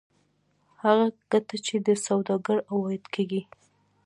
هغه ګټه چې د سوداګر عواید کېږي